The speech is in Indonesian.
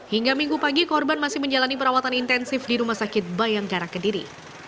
hingga minggu pagi korban masih menjalani perawatan intensif di rumah sakit bayangkara kediri